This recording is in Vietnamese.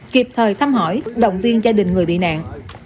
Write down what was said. kịp thời thăm hỏi động viên gia đình người bị nạn